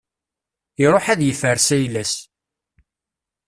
Iruḥ ad yefres ayla-s.